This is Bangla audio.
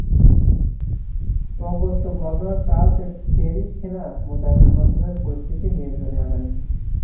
অগত্যা গভর্নর চার্লস এল টেরি সেনা মোতায়েনের মাধ্যমে পরিস্থিতি নিয়ন্ত্রণে আনেন।